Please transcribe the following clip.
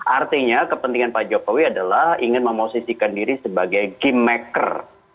artinya kepentingan pak jokowi adalah ingin memosisikan diri sebagai kingmaker